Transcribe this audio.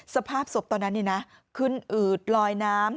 สภาพศพตอนนั้นขึ้นอืดลอยน้ำ